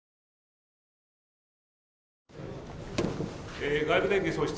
え外部電源喪失。